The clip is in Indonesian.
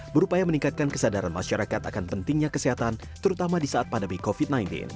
berupaya meningkatkan kesadaran masyarakat akan pentingnya kesehatan terutama di saat pandemi covid sembilan belas